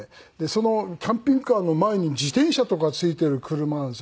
そのキャンピングカーの前に自転車とか付いてる車なんですよ。